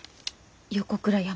「横倉山」。